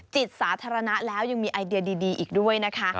จิตสาธารณะแล้วยังมีไอเดียดีอีกด้วยนะคะ